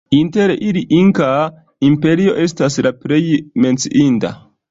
Inter ili Inkaa Imperio estis la plej menciinda.